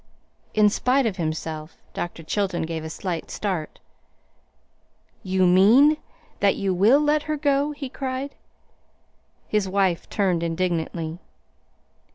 In spite of himself Dr. Chilton gave a slight start. "You mean that you WILL let her go?" he cried. His wife turned indignantly.